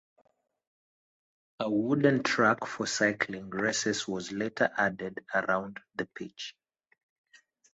A wooden track for cycling races was later added around the pitch.